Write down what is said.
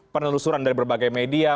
penelusuran dari berbagai media